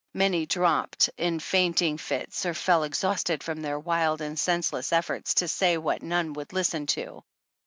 Many dropped in fainting fits, or fell exhausted from their wild and senseless efforts to say what none would listen to.